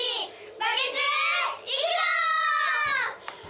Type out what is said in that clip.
バケツいくぞ！